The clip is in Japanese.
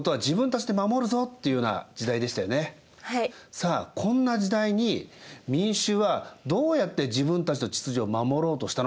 さあこんな時代に民衆はどうやって自分たちの秩序を守ろうとしたのか。